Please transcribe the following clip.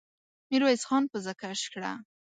ميرويس خان پزه کش کړه.